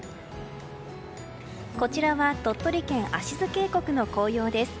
こちらは鳥取県葦津渓谷の紅葉です。